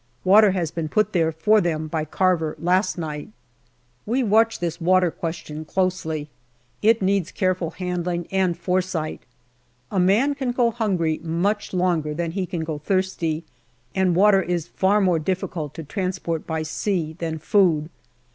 Water has been put there for them by Carver last night. We watch this 224 GALLIPOLI DIARY water question closely. It needs careful handling and fore sight. A man can go hungry much longer than he can go thirsty, and water is far more difficult to transport by sea than food.